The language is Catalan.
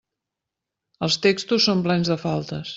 Els textos són plens de faltes.